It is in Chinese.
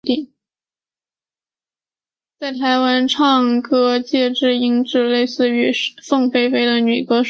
在台湾的歌唱界音质最近似凤飞飞的女歌手是林淑容。